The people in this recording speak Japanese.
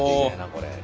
これ。